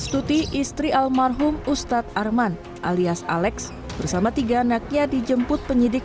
stuti istri almarhum ustadz arman alias alex bersama tiga anaknya dijemput penyidik